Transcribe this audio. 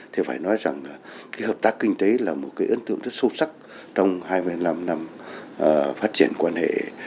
thì phải nói rằng là cái hợp tác kinh tế là một cái ấn tượng rất sâu sắc trong hai mươi năm năm phát triển quan hệ